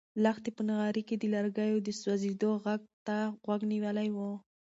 لښتې په نغري کې د لرګیو د سوزېدو غږ ته غوږ نیولی و.